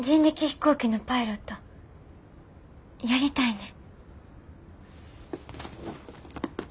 飛行機のパイロットやりたいねん。